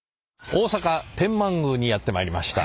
大阪天満宮にやって参りました。